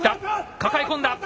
抱え込んだ。